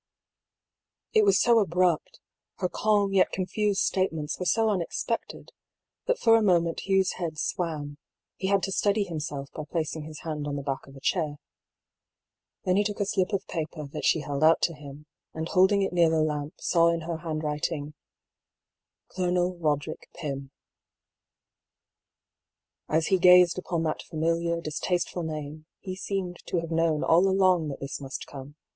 It was so abrupt, her calm yet confused statements were so unexpected, that for a moment Hugh's head swam, he had to steady himself by placing his hand on the back of a chair. Then he took a slip of paper that she held out to him, and holding it near the lamp, saw in her handwriting — ^''Colonel Roderick Pym,'" As he gazed upon that familiar, distasteful name, he seemed to have known all along that this must come, 272 I>». PAULL'S THEORY.